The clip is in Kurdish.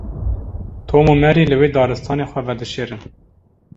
Tom û Mary li wê daristanê xwe vedişêrin.